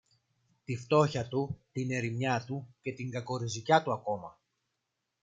Τη φτώχεια του, την ερημιά του και την κακοριζικιά του ακόμα